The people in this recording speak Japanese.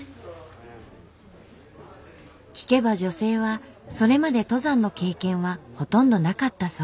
聞けば女性はそれまで登山の経験はほとんどなかったそう。